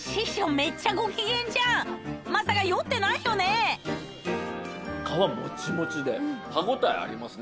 めっちゃご機嫌じゃんまさか皮モチモチで歯応えありますね。